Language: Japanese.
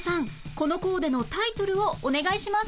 このコーデのタイトルをお願いします